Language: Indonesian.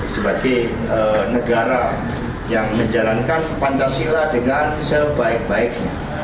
sebagai negara yang menjalankan pancasila dengan sebaik baiknya